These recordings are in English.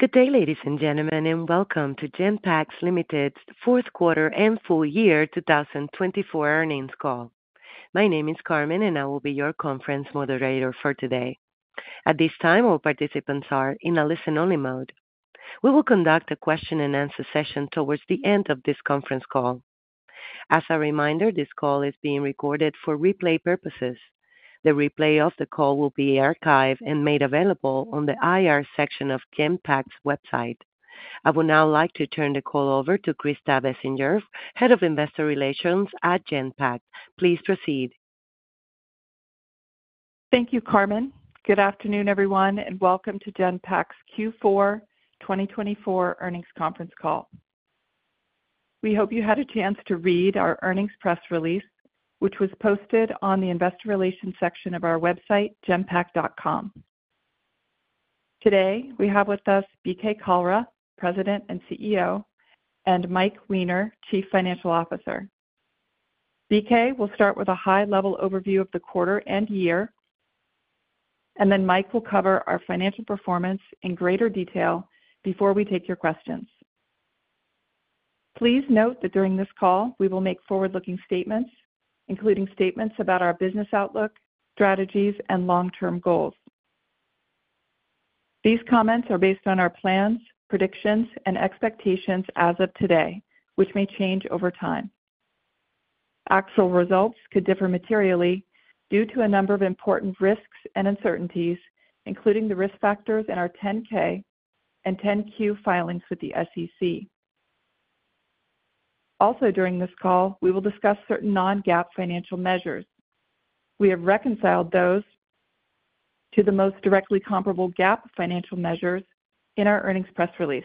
Good day, ladies and gentlemen, and welcome to Genpact Limited's Q4 and Full Year 2024 Earnings Call. My name is Carmen, and I will be your conference moderator for today. At this time, all participants are in a listen-only mode. We will conduct a question-and-answer session towards the end of this conference call. As a reminder, this call is being recorded for replay purposes. The replay of the call will be archived and made available on the IR section of Genpact's website. I would now like to turn the call over to Krista Bessinger, Head of Investor Relations at Genpact. Please proceed. Thank you, Carmen. Good afternoon, everyone, and welcome to Genpact's Q4 2024 earnings conference call. We hope you had a chance to read our earnings press release, which was posted on the Investor Relations section of our website, Genpact.com. Today, we have with us BK Kalra, President and CEO, and Mike Weiner, Chief Financial Officer. BK will start with a high-level overview of the quarter and year, and then Mike will cover our financial performance in greater detail before we take your questions. Please note that during this call, we will make forward-looking statements, including statements about our business outlook, strategies, and long-term goals. These comments are based on our plans, predictions, and expectations as of today, which may change over time. Actual results could differ materially due to a number of important risks and uncertainties, including the risk factors in our 10-K and 10-Q filings with the SEC. Also, during this call, we will discuss certain non-GAAP financial measures. We have reconciled those to the most directly comparable GAAP financial measures in our earnings press release.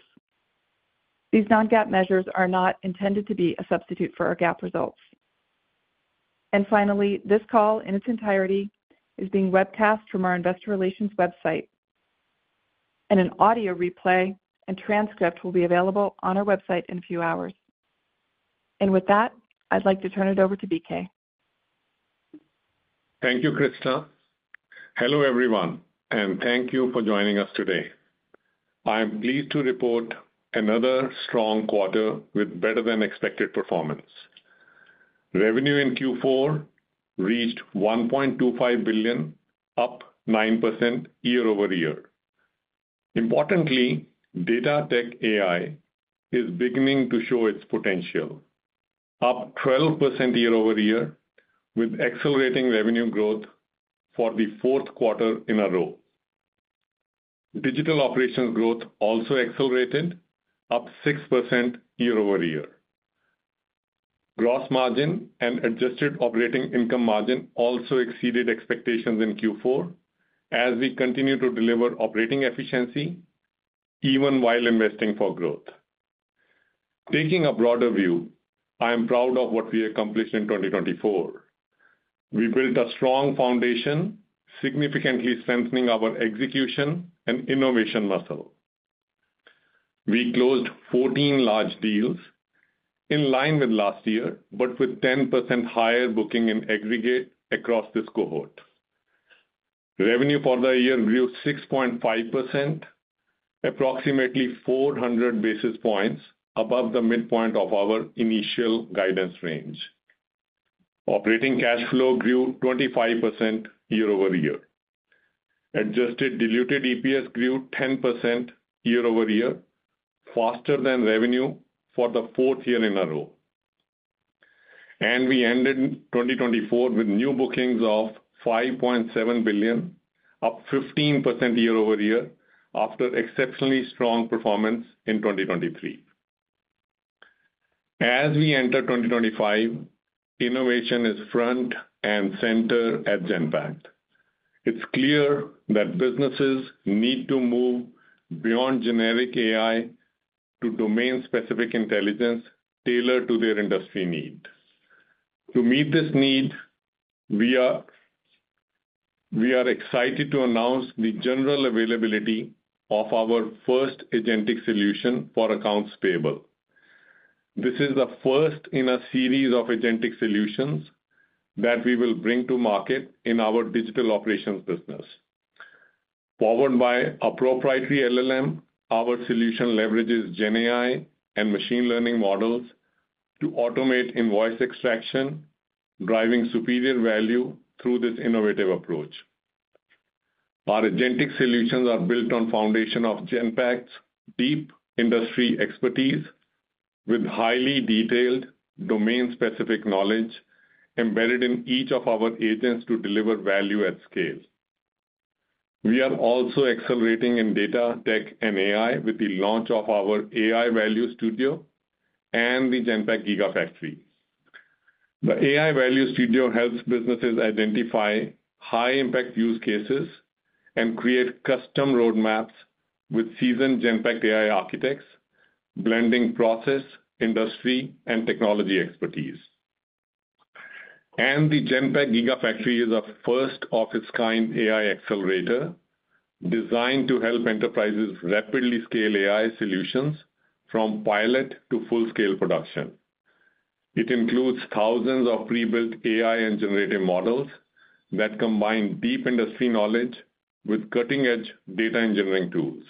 These non-GAAP measures are not intended to be a substitute for our GAAP results, and finally, this call in its entirety is being webcast from our Investor Relations website, and an audio replay and transcript will be available on our website in a few hours, and with that, I'd like to turn it over to BK. Thank you, Krista. Hello, everyone, and thank you for joining us today. I'm pleased to report another strong quarter with better-than-expected performance. Revenue in Q4 reached $1.25 billion, up 9% year-over-year. Importantly, Data-Tech-AI is beginning to show its potential, up 12% year-over-year, with accelerating revenue growth for the Q4 in a Digital Operations growth also accelerated, up 6% year-over-year. Gross margin and adjusted operating income margin also exceeded expectations in Q4, as we continue to deliver operating efficiency even while investing for growth. Taking a broader view, I am proud of what we accomplished in 2024. We built a strong foundation, significantly strengthening our execution and innovation muscle. We closed 14 large deals in line with last year, but with 10% higher booking in aggregate across this cohort. Revenue for the year grew 6.5%, approximately 400 basis points above the midpoint of our initial guidance range. Operating cash flow grew 25% year-over-year. Adjusted diluted EPS grew 10% year-over-year, faster than revenue for the fourth year in a row, and we ended 2024 with new bookings of $5.7 billion, up 15% year-over-year after exceptionally strong performance in 2023. As we enter 2025, innovation is front and center at Genpact. It's clear that businesses need to move beyond generic AI to domain-specific intelligence tailored to their industry needs. To meet this need, we are excited to announce the general availability of our first agentic solution for accounts payable. This is the first in a series of agentic solutions that we will bring to market in Digital Operations business. Powered by a proprietary LLM, our solution leverages GenAI and machine learning models to automate invoice extraction, driving superior value through this innovative approach. Our agentic solutions are built on the foundation of Genpact's deep industry expertise, with highly detailed domain-specific knowledge embedded in each of our agents to deliver value at scale. We are also accelerating in Data-Tech-AI with the launch of our AI Value Studio and the Genpact Gigafactory. The AI Value Studio helps businesses identify high-impact use cases and create custom roadmaps with seasoned Genpact AI architects, blending process, industry, and technology expertise. The Genpact Gigafactory is a first-of-its-kind AI accelerator designed to help enterprises rapidly scale AI solutions from pilot to full-scale production. It includes thousands of pre-built AI and generative models that combine deep industry knowledge with cutting-edge data engineering tools,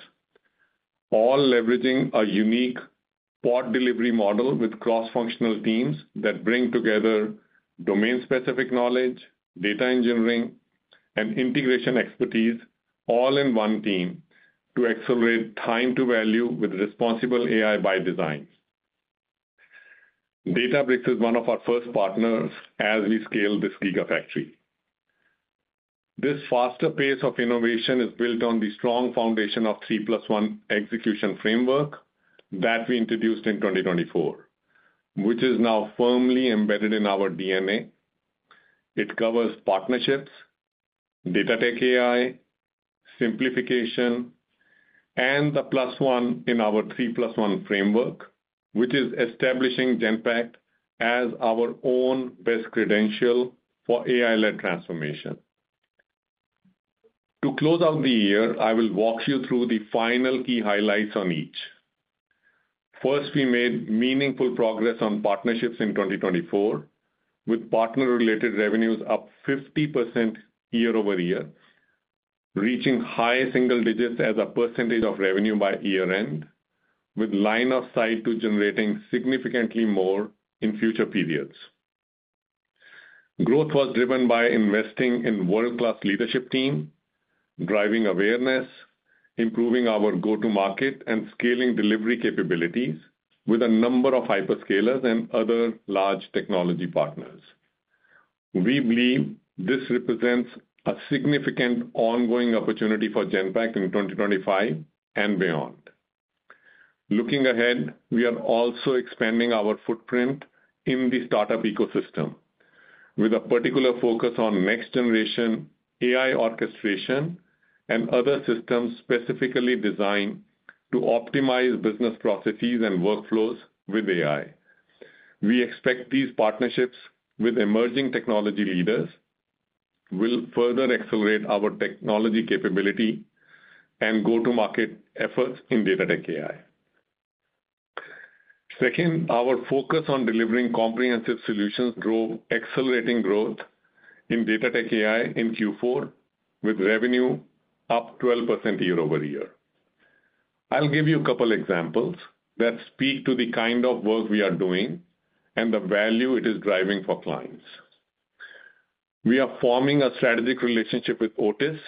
all leveraging a unique pod delivery model with cross-functional teams that bring together domain-specific knowledge, data engineering, and integration expertise, all in one team to accelerate time-to-value with responsible AI by design. Databricks is one of our first partners as we scale this Gigafactory. This faster pace of innovation is built on the strong foundation of the 3+1 execution framework that we introduced in 2024, which is now firmly embedded in our DNA. It covers partnerships, Data-Tech-AI, simplification, and the plus one in our 3+1 framework, which is establishing Genpact as our own best credential for AI-led transformation. To close out the year, I will walk you through the final key highlights on each. First, we made meaningful progress on partnerships in 2024, with partner-related revenues up 50% year-over-year, reaching high single digits as a percentage of revenue by year-end, with line of sight to generating significantly more in future periods. Growth was driven by investing in world-class leadership teams, driving awareness, improving our go-to-market, and scaling delivery capabilities with a number of hyperscalers and other large technology partners. We believe this represents a significant ongoing opportunity for Genpact in 2025 and beyond. Looking ahead, we are also expanding our footprint in the startup ecosystem, with a particular focus on next-generation AI orchestration and other systems specifically designed to optimize business processes and workflows with AI. We expect these partnerships with emerging technology leaders will further accelerate our technology capability and go-to-market efforts in Data-Tech-AI. Second, our focus on delivering comprehensive solutions drove accelerating growth in Data-Tech-AI in Q4, with revenue up 12% year-over-year. I'll give you a couple of examples that speak to the kind of work we are doing and the value it is driving for clients. We are forming a strategic relationship with Otis,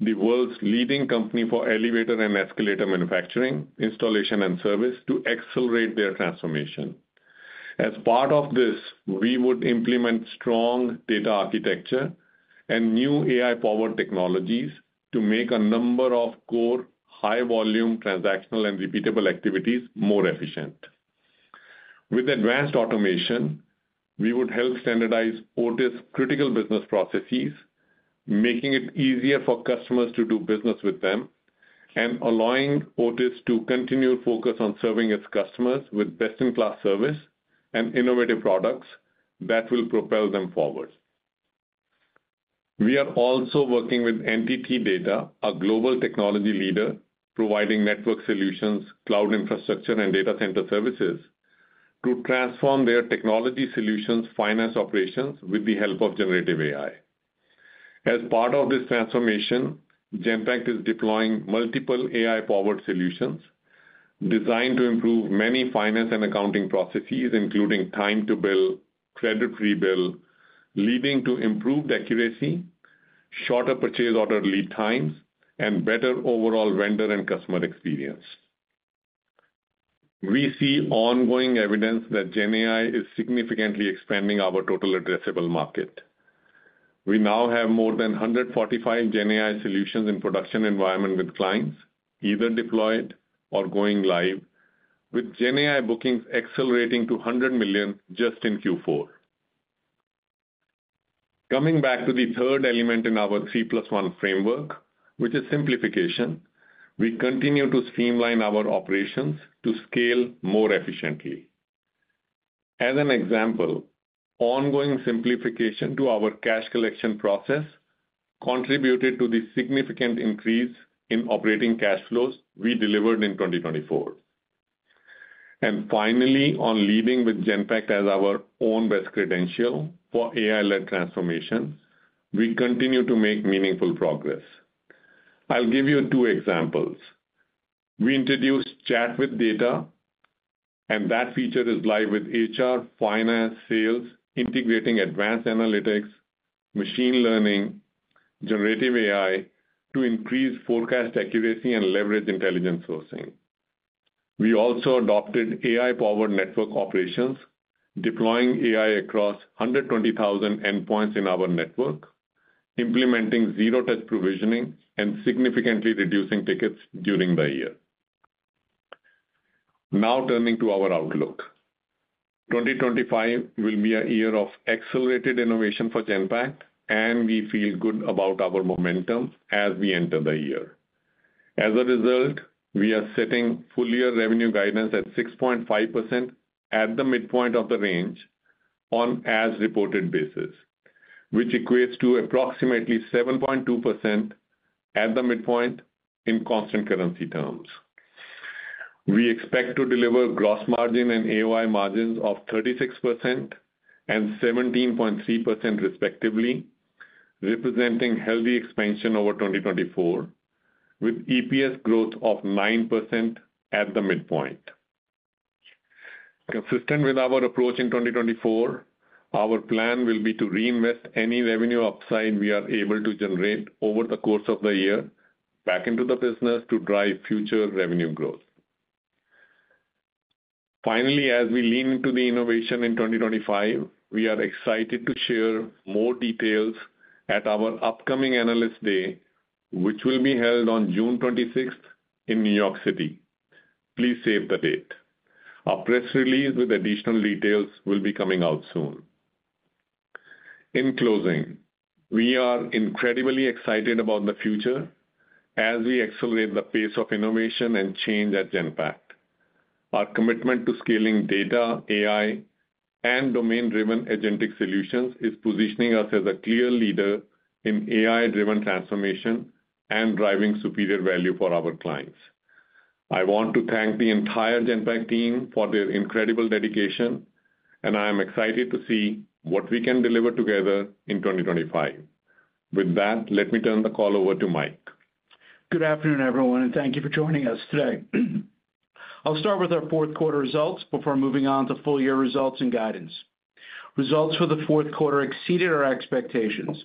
the world's leading company for elevator and escalator manufacturing, installation, and service, to accelerate their transformation. As part of this, we would implement strong data architecture and new AI-powered technologies to make a number of core, high-volume transactional, and repeatable activities more efficient. With advanced automation, we would help standardize Otis's critical business processes, making it easier for customers to do business with them and allowing Otis to continue to focus on serving its customers with best-in-class service and innovative products that will propel them forward. We are also working with NTT Data, a global technology leader, providing network solutions, cloud infrastructure, and data center services to transform their technology solutions' finance operations with the help of generative AI. As part of this transformation, Genpact is deploying multiple AI-powered solutions designed to improve many finance and accounting processes, including time-to-bill, credit rebill, leading to improved accuracy, shorter purchase order lead times, and better overall vendor and customer experience. We see ongoing evidence that GenAI is significantly expanding our total addressable market. We now have more than 145 GenAI solutions in production environments with clients, either deployed or going live, with GenAI bookings accelerating to $100 million just in Q4. Coming back to the third element in our 3+1 framework, which is simplification, we continue to streamline our operations to scale more efficiently. As an example, ongoing simplification to our cash collection process contributed to the significant increase in operating cash flows we delivered in 2024. And finally, on leading with Genpact as our own best credential for AI-led transformation, we continue to make meaningful progress. I'll give you two examples. We introduced Chat with Data, and that feature is live with HR, finance, sales, integrating advanced analytics, machine learning, generative AI to increase forecast accuracy and leverage intelligent sourcing. We also adopted AI-powered network operations, deploying AI across 120,000 endpoints in our network, implementing zero-touch provisioning, and significantly reducing tickets during the year. Now turning to our outlook, 2025 will be a year of accelerated innovation for Genpact, and we feel good about our momentum as we enter the year. As a result, we are setting full-year revenue guidance at 6.5% at the midpoint of the range on as-reported basis, which equates to approximately 7.2% at the midpoint in constant currency terms. We expect to deliver gross margin and AOI margins of 36% and 17.3%, respectively, representing healthy expansion over 2024, with EPS growth of 9% at the midpoint. Consistent with our approach in 2024, our plan will be to reinvest any revenue upside we are able to generate over the course of the year back into the business to drive future revenue growth. Finally, as we lean into the innovation in 2025, we are excited to share more details at our upcoming analyst day, which will be held on June 26 in New York City. Please save the date. A press release with additional details will be coming out soon. In closing, we are incredibly excited about the future as we accelerate the pace of innovation and change at Genpact. Our commitment to scaling data, AI, and domain-driven agentic solutions is positioning us as a clear leader in AI-driven transformation and driving superior value for our clients. I want to thank the entire Genpact team for their incredible dedication, and I am excited to see what we can deliver together in 2025. With that, let me turn the call over to Mike. Good afternoon, everyone, and thank you for joining us today. I'll start with our Q4 results before moving on to full-year results and guidance. Results for the Q4 exceeded our expectations.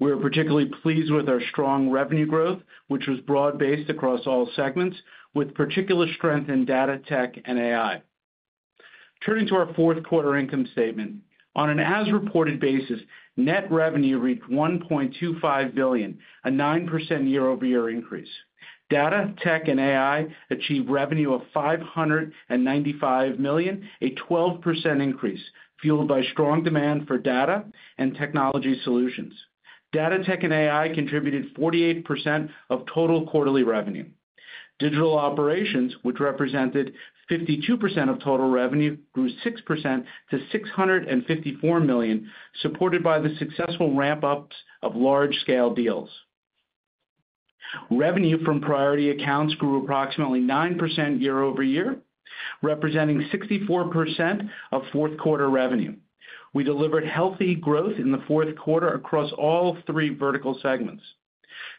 We are particularly pleased with our strong revenue growth, which was broad-based across all segments, with particular strength in data tech and AI. Turning to our Q4 income statement, on an as-reported basis, net revenue reached $1.25 billion, a 9% year-over-year increase. Data, tech, and AI achieved revenue of $595 million, a 12% increase, fueled by strong demand for data and technology solutions. Data-Tech-AI contributed 48% of total quarterly Digital Operations, which represented 52% of total revenue, grew 6% to $654 million, supported by the successful ramp-ups of large-scale deals. Revenue from priority accounts grew approximately 9% year-over-year, representing 64% of Q4 revenue. We delivered healthy growth in the Q4 across all three vertical segments.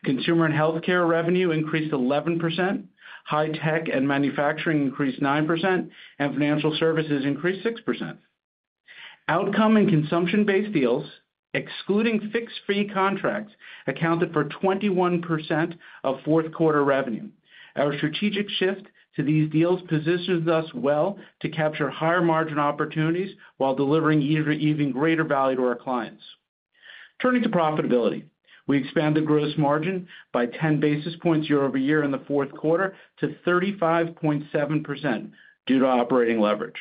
Consumer and Healthcare revenue increased 11%, High Tech and Manufacturing increased 9%, and Financial Services increased 6%. Outcome- and consumption-based deals, excluding fixed-fee contracts, accounted for 21% of Q4 revenue. Our strategic shift to these deals positions us well to capture higher margin opportunities while delivering even greater value to our clients. Turning to profitability, we expanded gross margin by 10 basis points year-over-year in the Q4 to 35.7% due to operating leverage.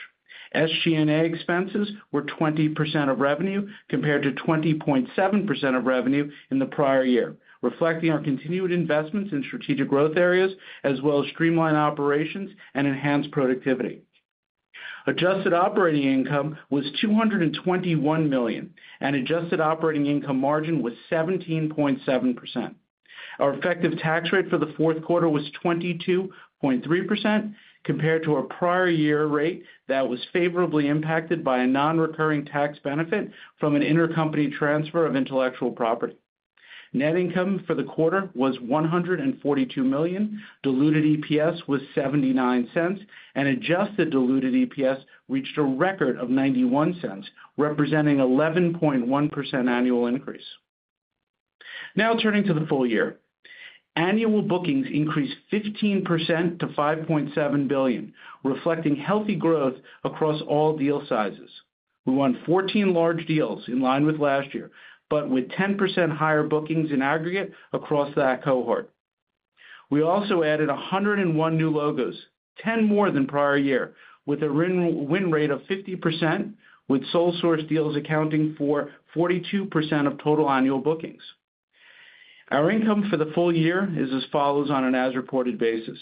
SG&A expenses were 20% of revenue compared to 20.7% of revenue in the prior year, reflecting our continued investments in strategic growth areas as well as streamlined operations and enhanced productivity. Adjusted operating income was $221 million, and adjusted operating income margin was 17.7%. Our effective tax rate for the Q4 was 22.3%, compared to our prior year rate that was favorably impacted by a non-recurring tax benefit from an intercompany transfer of intellectual property. Net income for the quarter was $142 million. Diluted EPS was $0.79, and adjusted diluted EPS reached a record of $0.91, representing an 11.1% annual increase. Now turning to the full year, annual bookings increased 15% to $5.7 billion, reflecting healthy growth across all deal sizes. We won 14 large deals in line with last year, but with 10% higher bookings in aggregate across that cohort. We also added 101 new logos, 10 more than prior year, with a win rate of 50%, with sole-source deals accounting for 42% of total annual bookings. Our income for the full year is as follows on an as-reported basis.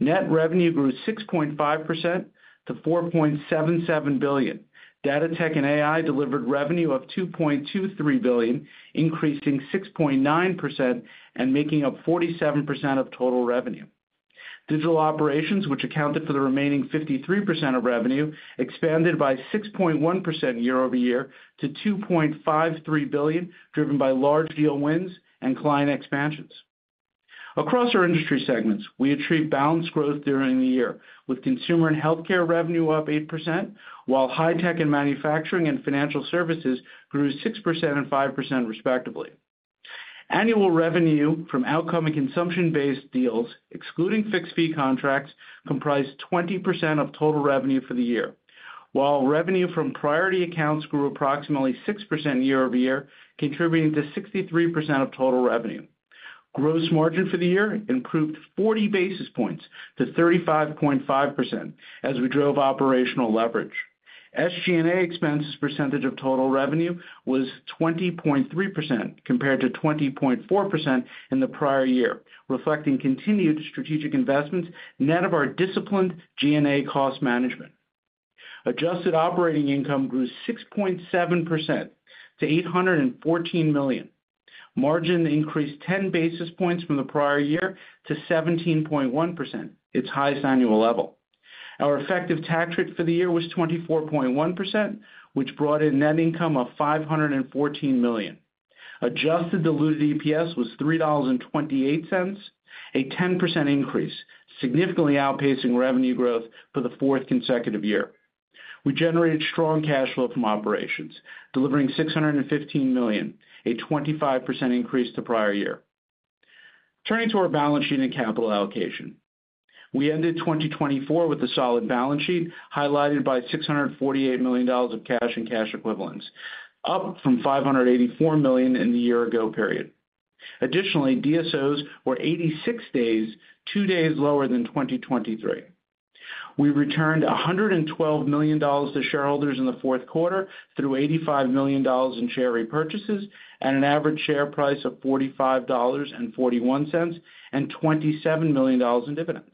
Net revenue grew 6.5% to $4.77 billion. Data-Tech-AI delivered revenue of $2.23 billion, increasing 6.9% and making up 47% of total Digital Operations, which accounted for the remaining 53% of revenue, expanded by 6.1% year-over-year to $2.53 billion, driven by large deal wins and client expansions. Across our industry segments, we achieved balanced growth during the year, with Consumer and Healthcare revenue up 8%, while High Tech and Manufacturing and Financial Services grew 6% and 5%, respectively. Annual revenue from outcome and consumption-based deals, excluding fixed fee contracts, comprised 20% of total revenue for the year, while revenue from priority accounts grew approximately 6% year-over-year, contributing to 63% of total revenue. Gross margin for the year improved 40 basis points to 35.5% as we drove operational leverage. SG&A expenses percentage of total revenue was 20.3% compared to 20.4% in the prior year, reflecting continued strategic investments net of our disciplined G&A cost management. Adjusted operating income grew 6.7% to $814 million. Margin increased 10 basis points from the prior year to 17.1%, its highest annual level. Our effective tax rate for the year was 24.1%, which brought in net income of $514 million. Adjusted diluted EPS was $3.28, a 10% increase, significantly outpacing revenue growth for the fourth consecutive year. We generated strong cash flow from operations, delivering $615 million, a 25% increase to prior year. Turning to our balance sheet and capital allocation, we ended 2024 with a solid balance sheet highlighted by $648 million of cash and cash equivalents, up from $584 million in the year-ago period. Additionally, DSOs were 86 days, two days lower than 2023. We returned $112 million to shareholders in the Q4 through $85 million in share repurchases and an average share price of $45.41 and $27 million in dividends.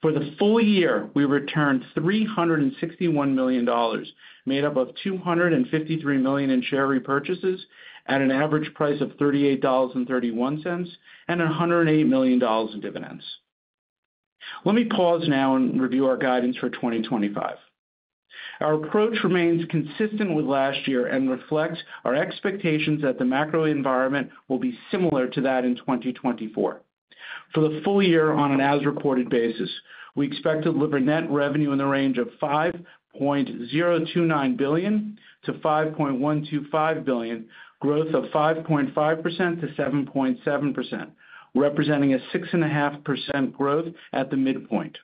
For the full year, we returned $361 million, made up of $253 million in share repurchases at an average price of $38.31 and $108 million in dividends. Let me pause now and review our guidance for 2025. Our approach remains consistent with last year and reflects our expectations that the macro environment will be similar to that in 2024. For the full year on an as-reported basis, we expect to deliver net revenue in the range of $5.029 billion-$5.125 billion, growth of 5.5%-7.7%, representing a 6.5% growth at the midpoint.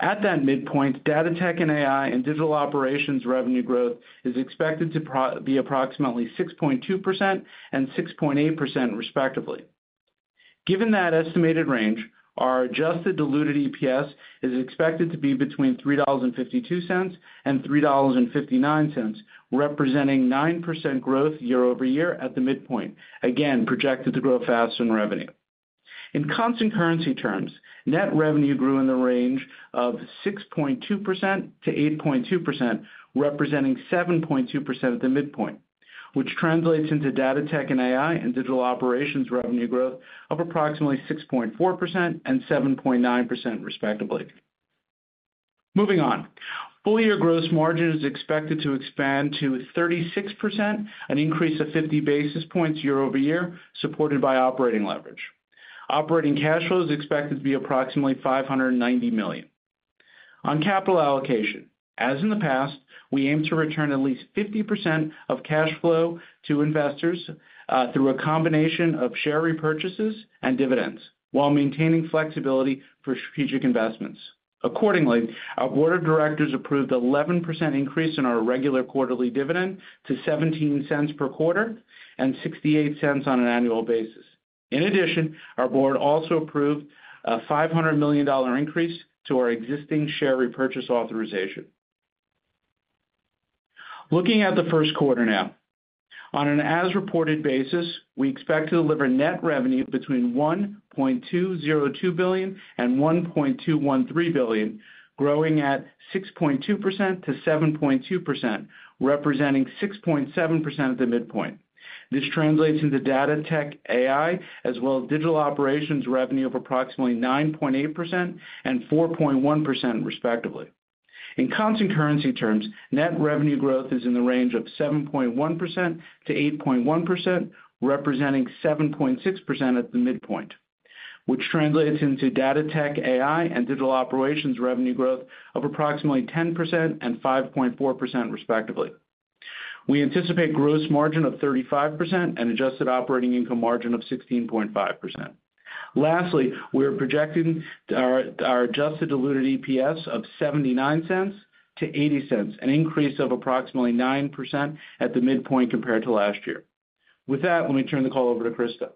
At that midpoint, data tech and AI Digital Operations revenue growth is expected to be approximately 6.2% and 6.8%, respectively. Given that estimated range, our adjusted diluted EPS is expected to be between $3.52 and $3.59, representing 9% growth year-over-year at the midpoint, again projected to grow faster than revenue. In constant currency terms, net revenue grew in the range of 6.2%-8.2%, representing 7.2% at the midpoint, which translates into Data-Tech-AI Digital Operations revenue growth of approximately 6.4% and 7.9%, respectively. Moving on, full-year gross margin is expected to expand to 36%, an increase of 50 basis points year-over-year, supported by operating leverage. Operating cash flow is expected to be approximately $590 million. On capital allocation, as in the past, we aim to return at least 50% of cash flow to investors through a combination of share repurchases and dividends, while maintaining flexibility for strategic investments. Accordingly, our board of directors approved an 11% increase in our regular quarterly dividend to $0.17 per quarter and $0.68 on an annual basis. In addition, our board also approved a $500 million increase to our existing share repurchase authorization. Looking at the Q1 now, on an as-reported basis, we expect to deliver net revenue between $1.202 billion and $1.213 billion, growing at 6.2%-7.2%, representing 6.7% at the midpoint. This translates into Data-Tech-AI, as well Digital Operations revenue of approximately 9.8% and 4.1%, respectively. In constant currency terms, net revenue growth is in the range of 7.1%-8.1%, representing 7.6% at the midpoint, which translates into Data-Tech-AI, Digital Operations revenue growth of approximately 10% and 5.4%, respectively. We anticipate gross margin of 35% and adjusted operating income margin of 16.5%. Lastly, we are projecting our adjusted diluted EPS of $0.79-$0.80, an increase of approximately 9% at the midpoint compared to last year. With that, let me turn the call over to Krista.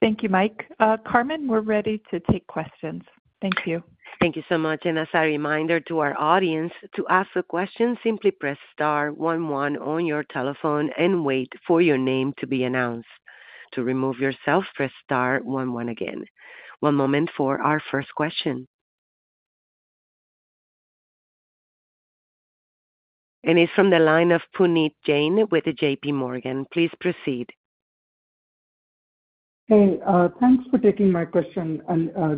Thank you, Mike. Carmen, we're ready to take questions. Thank you. Thank you so much. And as a reminder to our audience, to ask a question, simply press star one one on your telephone and wait for your name to be announced. To remove yourself, press star one one again. One moment for our first question. And it's from the line of Puneet Jain with the JPMorgan. Please proceed. Hey, thanks for taking my question.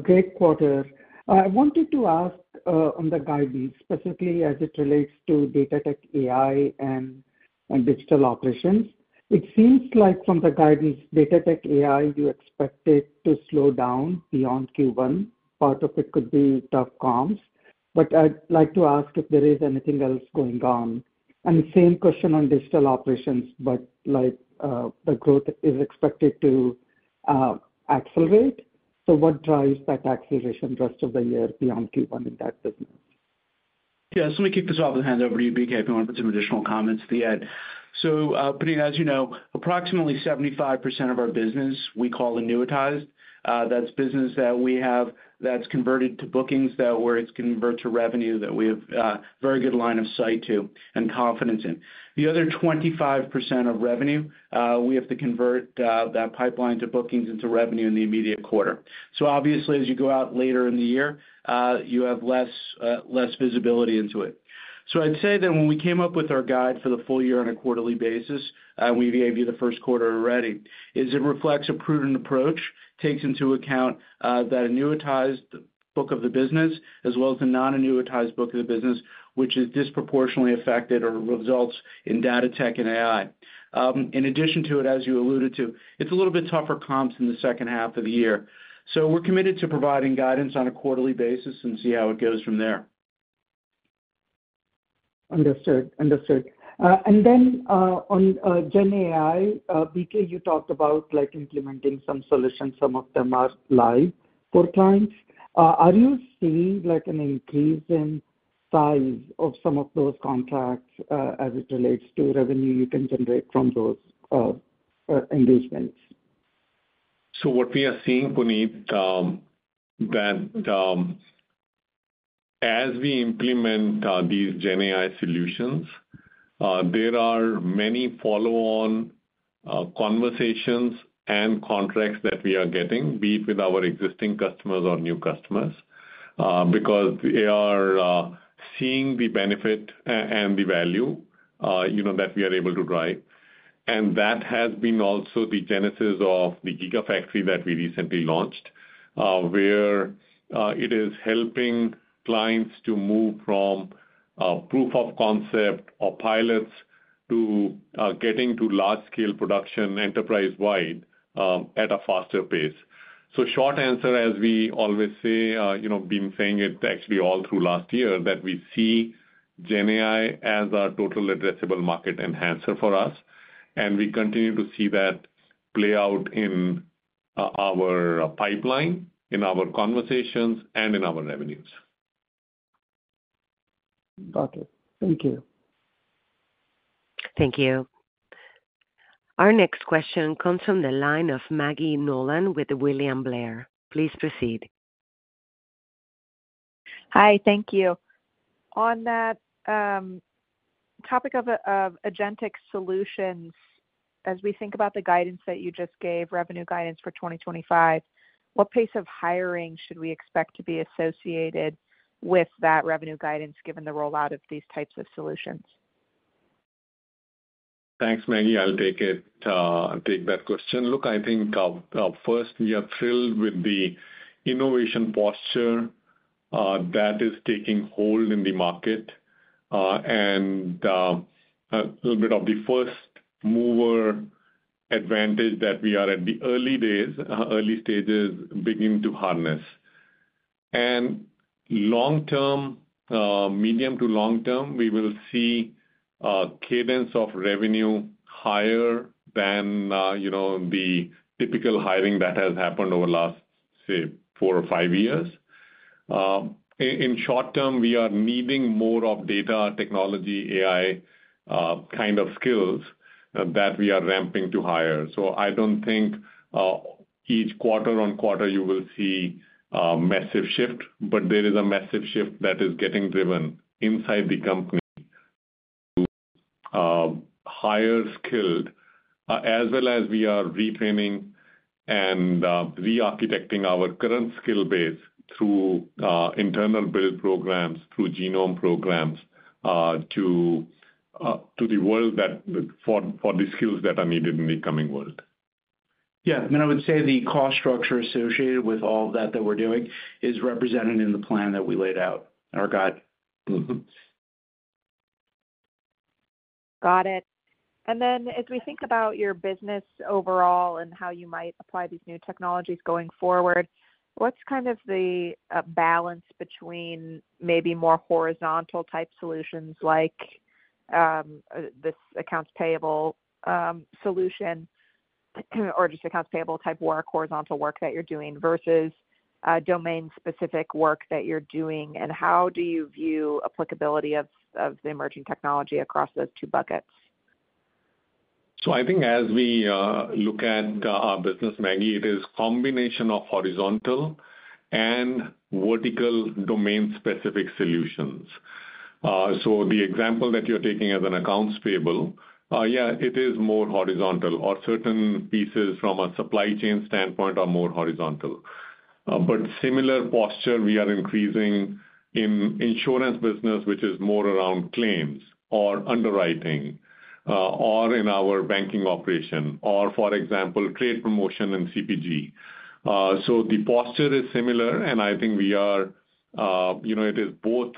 Great quarter. I wanted to ask on the guidance, specifically as it relates to Data-Tech-AI, Digital Operations. it seems like from the guidance, Data-Tech-AI, you expect it to slow down beyond Q1. Part of it could be tough comps. But I'd like to ask if there is anything else going on. And the same question Digital Operations, but the growth is expected to accelerate. So what drives that acceleration rest of the year beyond Q1 in taxes? Yeah, so let me kick this off with hands over to you, BK, if you want to put some additional comments to Ed. So Puneet, as you know, approximately 75% of our business we call annuitized. That's business that we have that's converted to bookings that where it's convert to revenue that we have a very good line of sight to and confidence in. The other 25% of revenue, we have to convert that pipeline to bookings into revenue in the immediate quarter. So obviously, as you go out later in the year, you have less visibility into it. So I'd say that when we came up with our guide for the full year on a quarterly basis, and we gave you the Q1 already, it reflects a prudent approach, takes into account that annuitized book of the business, as well as the non-annuitized book of the business, which is disproportionately affected or results in Data-Tech-AI. In addition to it, as you alluded to, it's a little bit tougher comms in the second half of the year. So we're committed to providing guidance on a quarterly basis and see how it goes from there. Understood. Understood. And then on GenAI, BK, you talked about implementing some solutions. Some of them are live for clients. Are you seeing an increase in size of some of those contracts as it relates to revenue you can generate from those engagements? So what we are seeing, Puneet, that as we implement these GenAI solutions, there are many follow-on conversations and contracts that we are getting both with our existing customers or new customers because they are seeing the benefit and the value that we are able to drive. And that has been also the genesis of the Gigafactory that we recently launched, where it is helping clients to move from proof of concept or pilots to getting to large-scale production enterprise-wide at a faster pace. So short answer, as we always say, been saying it actually all through last year, that we see GenAI as our total addressable market enhancer for us. And we continue to see that play out in our pipeline, in our conversations, and in our revenues. Got it. Thank you. Thank you. Our next question comes from the line of Maggie Nolan with William Blair. Please proceed. Hi, thank you. On that topic of agentic solutions, as we think about the guidance that you just gave, revenue guidance for 2025, what pace of hiring should we expect to be associated with that revenue guidance given the rollout of these types of solutions? Thanks, Maggie. I'll take that question. Look, I think first, we are thrilled with the innovation posture that is taking hold in the market and a little bit of the first-mover advantage that we are at the early stages, beginning to harness, and long-term, medium to long-term, we will see cadence of revenue higher than the typical hiring that has happened over the last, say, four or five years. In short term, we are needing more of data, technology, AI kind of skills that we are ramping to hire. So I don't think each quarter-on-quarter you will see a massive shift, but there is a massive shift that is getting driven inside the company to hire skilled, as well as we are retraining and re-architecting our current skill base through internal build programs, through Genpact programs to the world for the skills that are needed in the coming world. Yeah. And I would say the cost structure associated with all of that that we're doing is represented in the plan that we laid out or got. Got it. And then as we think about your business overall and how you might apply these new technologies going forward, what's kind of the balance between maybe more horizontal-type solutions like this accounts payable solution or just accounts payable-type work, horizontal work that you're doing versus domain-specific work that you're doing? And how do you view applicability of the emerging technology across those two buckets? So I think as we look at our business, Maggie, it is a combination of horizontal and vertical domain-specific solutions. So the example that you're taking as an accounts payable, yeah, it is more horizontal. Or certain pieces from a supply chain standpoint are more horizontal. But similar posture, we are increasing in insurance business, which is more around claims or underwriting or in our banking operation or, for example, trade promotion and CPG. So the posture is similar, and I think it is both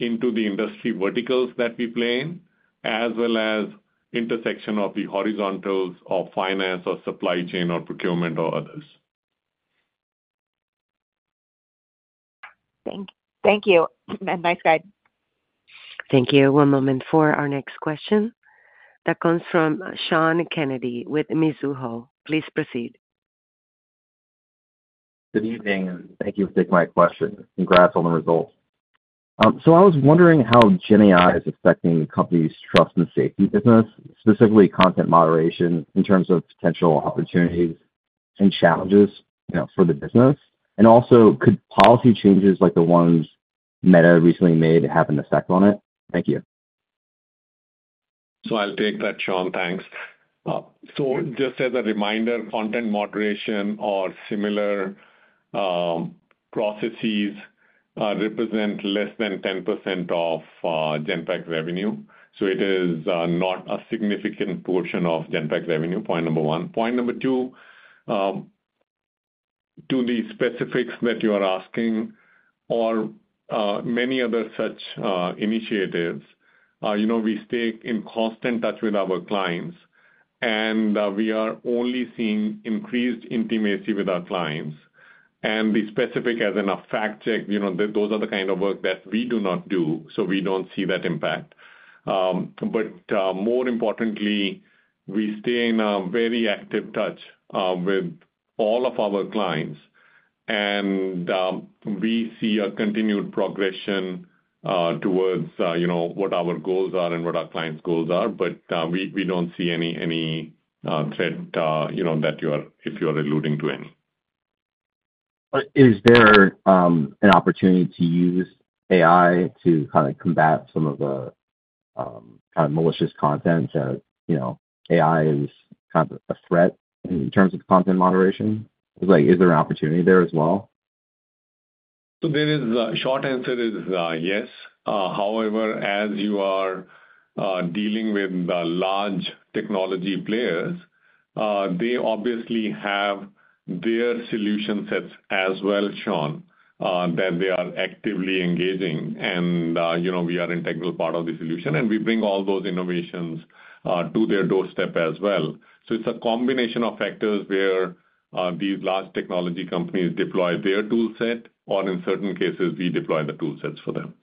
into the industry verticals that we play in as well as intersection of the horizontals of finance or supply chain or procurement or others. Thank you. Thank you. And nice guide. Thank you. One moment for our next question that comes from Sean Kennedy with Mizuho. Please proceed. Good evening, and thank you for taking my question. Congrats on the results. So I was wondering how GenAI is affecting the company's trust and safety business, specifically content moderation in terms of potential opportunities and challenges for the business. And also, could policy changes like the ones Meta recently made have an effect on it? Thank you. So I'll take that, Sean. Thanks. So just as a reminder, content moderation or similar processes represent less than 10% of Genpact revenue. So it is not a significant portion of Genpact revenue, point number one. Point number two, to the specifics that you are asking or many other such initiatives, we stay in constant touch with our clients, and we are only seeing increased intimacy with our clients. The specific, as in a fact check, those are the kind of work that we do not do, so we don't see that impact. More importantly, we stay in a very active touch with all of our clients, and we see a continued progression towards what our goals are and what our clients' goals are. We don't see any threat that you are if you are alluding to any. Is there an opportunity to use AI to kind of combat some of the kind of malicious content that AI is kind of a threat in terms of content moderation? Is there an opportunity there as well? Short answer is yes. However, as you are dealing with the large technology players, they obviously have their solution sets as well, Sean, that they are actively engaging. And we are an integral part of the solution, and we bring all those innovations to their doorstep as well. So it's a combination of factors where these large technology companies deploy their toolset, or in certain cases, we deploy the toolsets for them.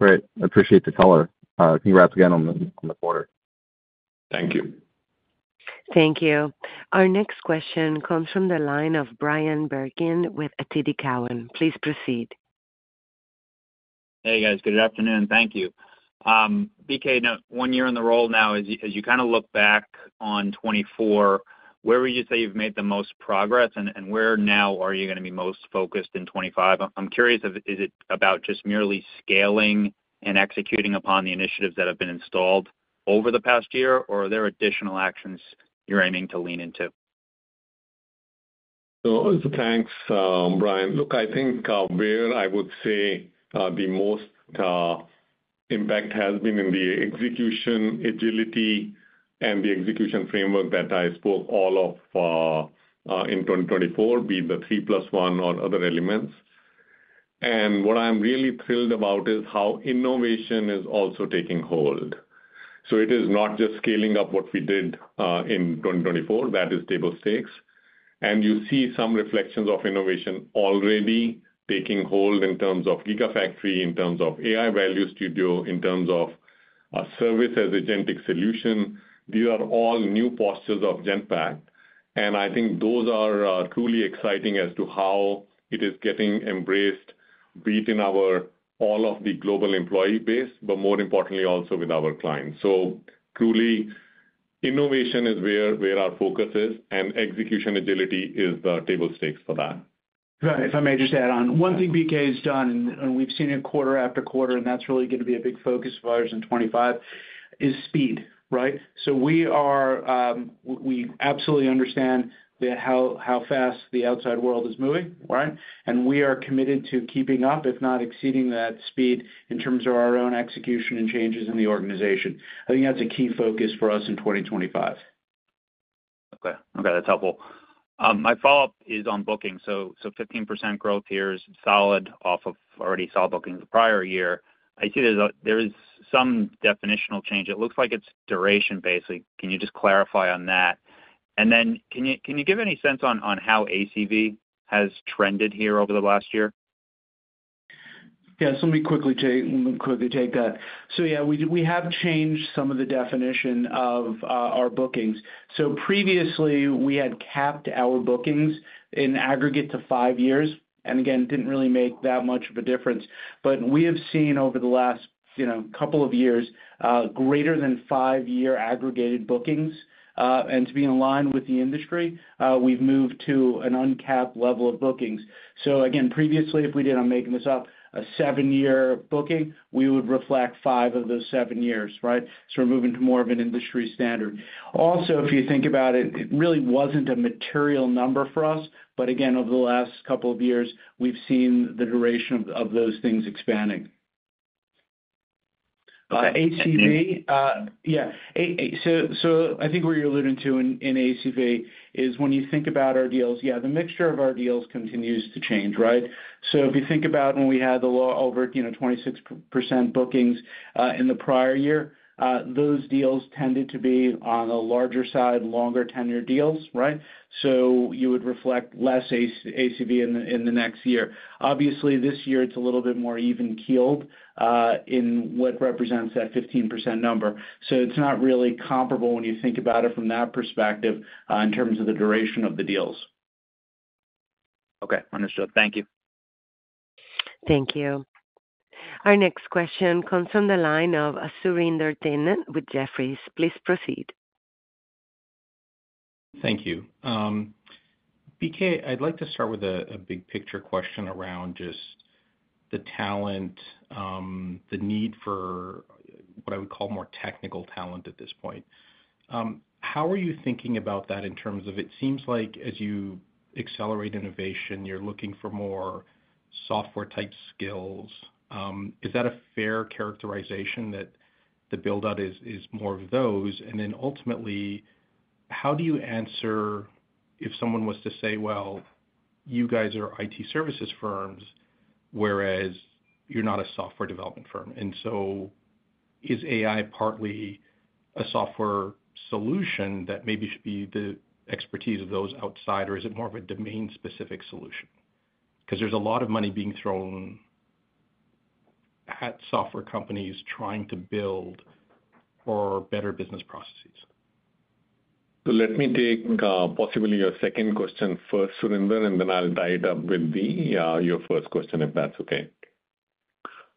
Great. I appreciate the color. Congrats again on the quarter. Thank you. Thank you. Our next question comes from the line of Bryan Bergin with TD Cowen. Please proceed. Hey, guys. Good afternoon. Thank you. BK, one year in the role now, as you kind of look back on 2024, where would you say you've made the most progress, and where now are you going to be most focused in 2025? I'm curious, is it about just merely scaling and executing upon the initiatives that have been installed over the past year, or are there additional actions you're aiming to lean into? So thanks, Brian. Look, I think where I would say the most impact has been in the execution agility and the execution framework that I spoke all of in 2024, be it the three plus one or other elements. And what I'm really thrilled about is how innovation is also taking hold. So it is not just scaling up what we did in 2024. That is table stakes. And you see some reflections of innovation already taking hold in terms of Gigafactory, in terms of AI Value Studio, in terms of Service-as-Agentic-Solution. These are all new postures of Genpact. And I think those are truly exciting as to how it is getting embraced, be it in all of the global employee base, but more importantly, also with our clients. So truly, innovation is where our focus is, and execution agility is the table stakes for that. If I may just add on, one thing BK has done, and we've seen it quarter after quarter, and that's really going to be a big focus of ours in 2025, is speed, right? So we absolutely understand how fast the outside world is moving, right? And we are committed to keeping up, if not exceeding that speed in terms of our own execution and changes in the organization. I think that's a key focus for us in 2025. Okay. Okay. That's helpful. My follow-up is on booking. So 15% growth here is solid off of already solid booking the prior year. I see there is some definitional change. It looks like it's duration, basically. Can you just clarify on that? And then can you give any sense on how ACV has trended here over the last year? Yeah. So let me quickly take that. So yeah, we have changed some of the definition of our bookings. So previously, we had capped our bookings in aggregate to five years. And again, didn't really make that much of a difference. But we have seen over the last couple of years, greater than five-year aggregated bookings. And to be in line with the industry, we've moved to an uncapped level of bookings. So again, previously, if we did, I'm making this up, a seven-year booking, we would reflect five of those seven years, right? So we're moving to more of an industry standard. Also, if you think about it, it really wasn't a material number for us. But again, over the last couple of years, we've seen the duration of those things expanding. ACV. Yeah. So I think what you're alluding to in ACV is when you think about our deals, yeah, the mixture of our deals continues to change, right? So if you think about when we had the low over 26% bookings in the prior year, those deals tended to be on the larger side, longer tenure deals, right? So you would reflect less ACV in the next year. Obviously, this year, it's a little bit more even keeled in what represents that 15% number. So it's not really comparable when you think about it from that perspective in terms of the duration of the deals. Okay. Understood. Thank you. Thank you. Our next question comes from the line of Surinder Thind with Jefferies. Please proceed. Thank you. BK, I'd like to start with a big picture question around just the talent, the need for what I would call more technical talent at this point. How are you thinking about that in terms of it seems like as you accelerate innovation, you're looking for more software-type skills? Is that a fair characterization that the build-out is more of those? And then ultimately, how do you answer if someone was to say, "Well, you guys are IT services firms, whereas you're not a software development firm"? And so is AI partly a software solution that maybe should be the expertise of those outside, or is it more of a domain-specific solution? Because there's a lot of money being thrown at software companies trying to build for better business processes. So let me take possibly your second question first, Surinder, and then I'll tie it up with your first question if that's okay.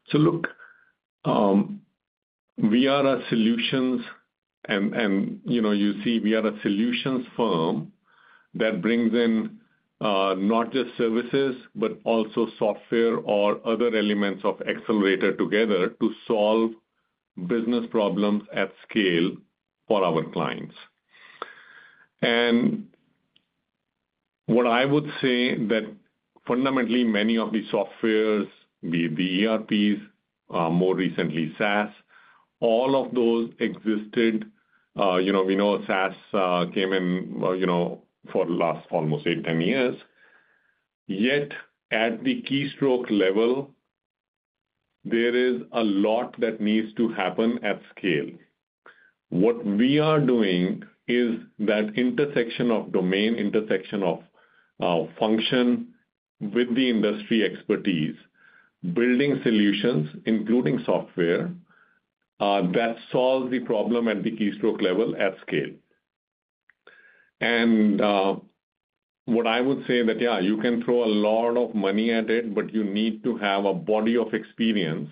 So look, we are a solution, and you see we are a solutions firm that brings in not just services but also software or other elements of accelerator together to solve business problems at scale for our clients. And what I would say that fundamentally many of the software, be ERPs, more recently SaaS, all of those existed. We know SaaS came in for the last almost eight, 10 years. Yet at the keystroke level, there is a lot that needs to happen at scale. What we are doing is that intersection of domain, intersection of function with the industry expertise, building solutions, including software that solves the problem at the keystroke level at scale. And what I would say that, yeah, you can throw a lot of money at it, but you need to have a body of experience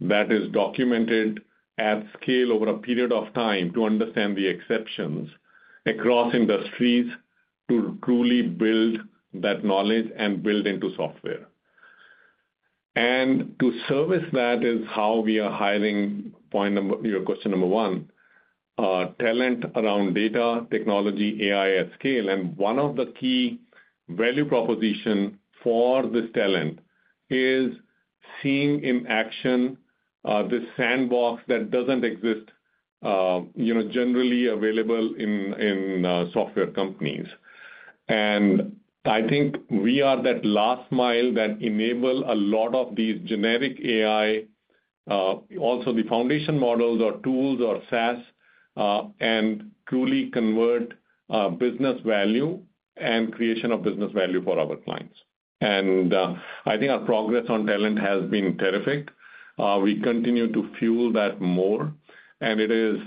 that is documented at scale over a period of time to understand the exceptions across industries to truly build that knowledge and build into software. And to service that is how we are hiring, point your question number one, talent around data, technology, AI at scale. And one of the key value propositions for this talent is seeing in action the sandbox that doesn't exist generally available in software companies. And I think we are that last mile that enables a lot of these generic AI, also the foundation models or tools or SaaS, and truly convert business value and creation of business value for our clients. And I think our progress on talent has been terrific. We continue to fuel that more. And it is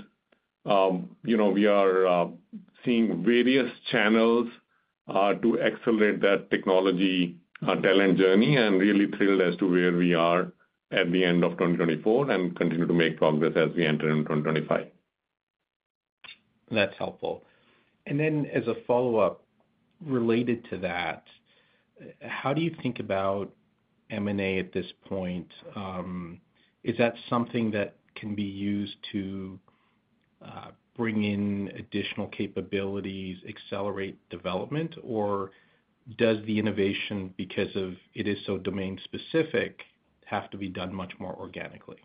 we are seeing various channels to accelerate that technology talent journey and really thrilled as to where we are at the end of 2024 and continue to make progress as we enter into 2025. That's helpful. And then as a follow-up related to that, how do you think about M&A at this point? Is that something that can be used to bring in additional capabilities, accelerate development, or does the innovation, because it is so domain-specific, have to be done much more organically?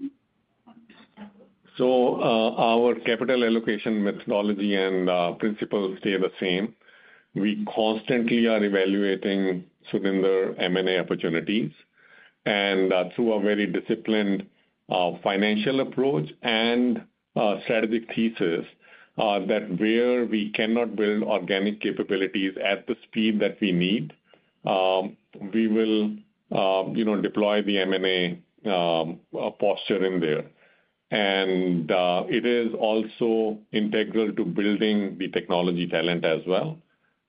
So our capital allocation methodology and principles stay the same. We constantly are evaluating various M&A opportunities. And through a very disciplined financial approach and strategic thesis that where we cannot build organic capabilities at the speed that we need, we will deploy the M&A posture in there. And it is also integral to building the technology talent as well.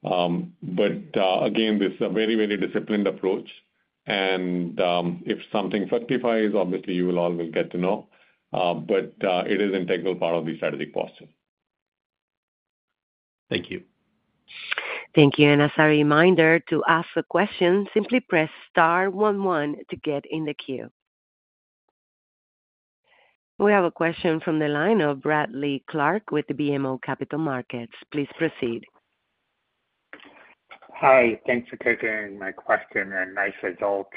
But again, this is a very, very disciplined approach. And if something fructifies, obviously, you will all get to know. But it is an integral part of the strategy cost. Thank you. Thank you. And as a reminder to ask a question, simply press star one one to get in the queue. We have a question from the line of Bradley Clark with BMO Capital Markets. Please proceed. Hi. Thanks for taking my question and nice results.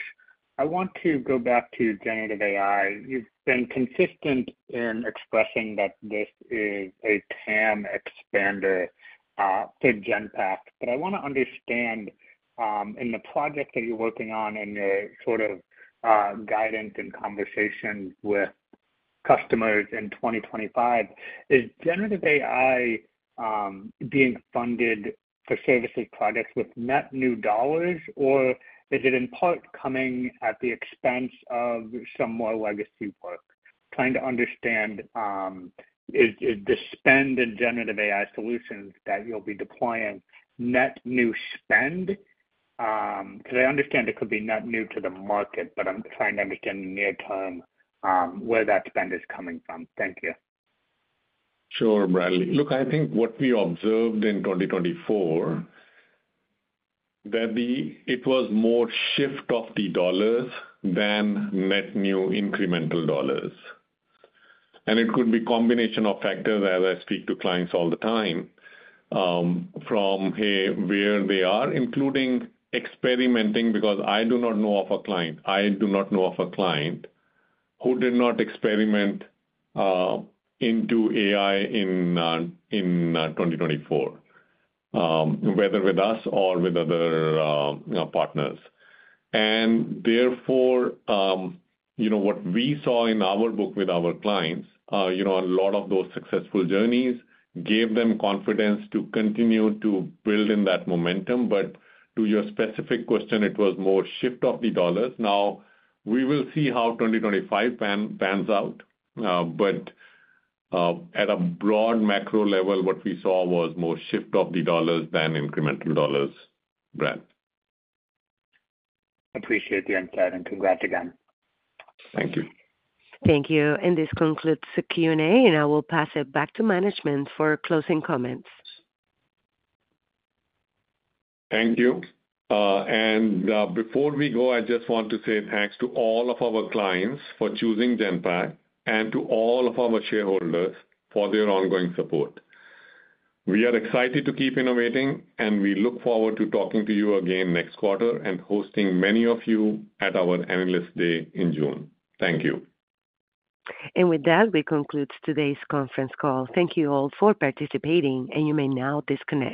I want to go back to generative AI. You've been consistent in expressing that this is a TAM expander for Genpact. But I want to understand in the project that you're working on and your sort of guidance and conversation with customers in 2025, is generative AI being funded for services projects with net new dollars, or is it in part coming at the expense of some more legacy work? Trying to understand is the spend in generative AI solutions that you'll be deploying net new spend? Because I understand it could be net new to the market, but I'm trying to understand in the near term where that spend is coming from. Thank you. Sure, Bradley. Look, I think what we observed in 2024, that it was more shift of the dollars than net new incremental dollars. And it could be a combination of factors as I speak to clients all the time from, hey, where they are, including experimenting, because I do not know of a client. I do not know of a client who did not experiment into AI in 2024, whether with us or with other partners. And therefore, what we saw in our book with our clients, a lot of those successful journeys gave them confidence to continue to build in that momentum. But to your specific question, it was more shift of the dollars. Now, we will see how 2025 pans out. But at a broad macro level, what we saw was more shift of the dollars than incremental dollars, Brad. Appreciate the insight and congrats again. Thank you. Thank you. And this concludes the Q&A, and I will pass it back to management for closing comments. Thank you. And before we go, I just want to say thanks to all of our clients for choosing Genpact and to all of our shareholders for their ongoing support. We are excited to keep innovating, and we look forward to talking to you again next quarter and hosting many of you at our analyst day in June. Thank you. And with that, we conclude today's conference call. Thank you all for participating, and you may now disconnect.